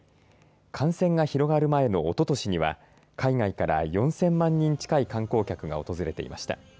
感染が広がる前のおととしには海外から４０００万人近い観光客が訪れていました。